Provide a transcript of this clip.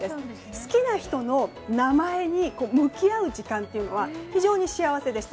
好きな人の名前に向き合う時間というのは非常に幸せでした。